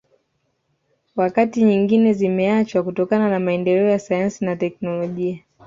Wakati nyingine zimeachwa kutokana na maendeleo ya sayansi na teknolojia